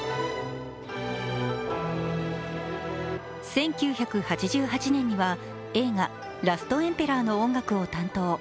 １９８８年には映画「ラストエンペラー」の音楽を担当。